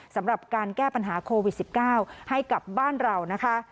สำหรับการแก้ปัญหาโควิด๑๙ให้กับบ้านเรานะคะ